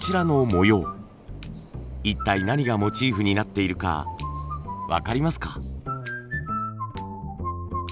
一体何がモチーフになっているか分かりますか？